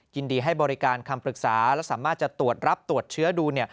ยินดีให้บริการคำปรึกษาและสามารถจะตรวจรับตรวจเชื้อดู